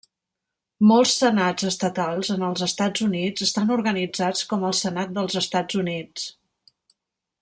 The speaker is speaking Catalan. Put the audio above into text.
Molts senats estatals en els Estats Units estan organitzats com el Senat dels Estats Units.